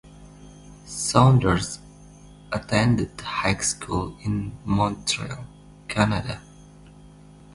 Saunders attended high school in Montreal, Canada.